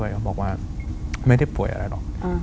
เขาบอกว่าไม่ได้ป่วยอะไรหรอก